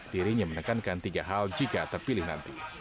dirinya menekankan tiga hal jika terpilih nanti